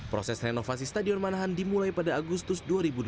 proses renovasi stadion manahan dimulai pada agustus dua ribu delapan belas